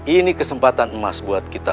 ini kesempatan emas buat kita